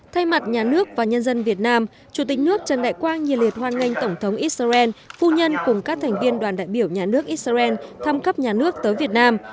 thay mặt nhà nước và nhân dân việt nam chủ tịch nước trần đại quang nhiệt liệt hoan nghênh tổng thống israel phu nhân cùng các thành viên đoàn đại biểu nhà nước israel thăm cấp nhà nước tới việt nam